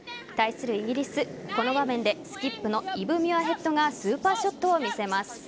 対するイギリス、この場面でスキップのイブ・ミュアヘッドがスーパーショットを見せます。